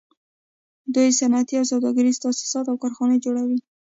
دوی صنعتي او سوداګریز تاسیسات او کارخانې جوړوي